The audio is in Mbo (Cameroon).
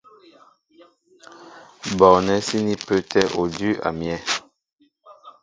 Bɔɔnɛ́ síní pə́ə́tɛ́ udʉ́ a myɛ́.